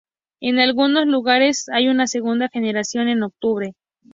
En algunos lugares, hay una segunda generación en octubre.